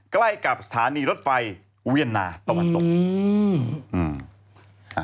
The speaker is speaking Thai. ใกล้กับสถานีรถไฟเวียนนาตะวันตกอืม